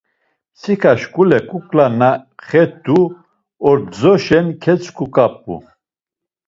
Mtsika şkule kukla na xet̆u ordzoşen ketzuǩap̌u.